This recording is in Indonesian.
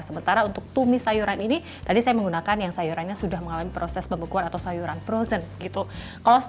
sementara untuk tumis sayuran ini tadi saya menggunakan sayur yang sudah mengalami proses p pool mut consultants